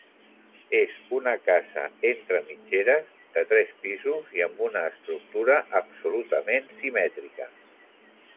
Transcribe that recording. És una casa entre mitgeres, de tres pisos i amb una estructura absolutament simètrica.